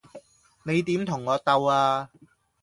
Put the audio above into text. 你點同我鬥呀?